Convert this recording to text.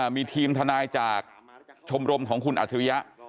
มีทีมทนายจากชมรมของคุณอัจฉริยะ